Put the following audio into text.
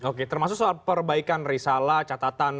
oke termasuk soal perbaikan risalah catatan